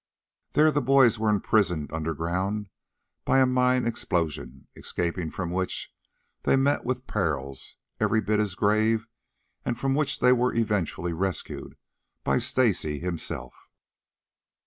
There the boys were imprisoned underground by a mine explosion; escaping from which, they met with perils every bit as grave, and from which they were eventually rescued by Stacy himself.